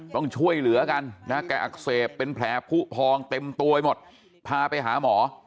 ต้องช่วยเหลือกันนะแกอักเสบเป็นแผลผู้พองเต็มตัวไปหมดพาไปหาหมอ